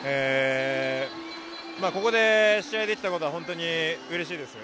ここで試合できたことは本当にうれしいです。